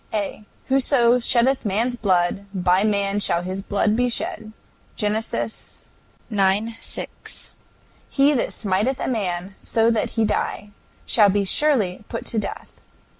A. "Whoso sheddeth man's blood, by man shall his blood be shed." GEN. ix. 6. "He that smiteth a man, so that he die, shall be surely put to death...